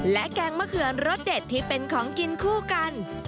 และแกงมะเขือนรสเด็ดที่เป็นของกินคู่กัน